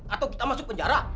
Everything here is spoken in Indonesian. atau kita masuk penjara